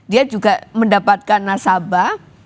dia juga mendapatkan nasabah